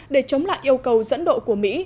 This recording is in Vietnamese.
để chống lại yêu cầu dẫn độ của mỹ